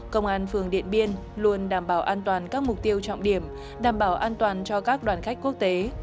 công an phường điện biên luôn đảm bảo an toàn các mục tiêu trọng điểm đảm bảo an toàn cho các đoàn khách quốc tế